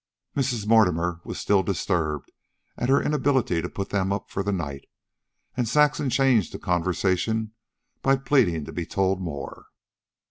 Mrs. Mortimer was still disturbed at her inability to put them up for the night, and Saxon changed the conversation by pleading to be told more.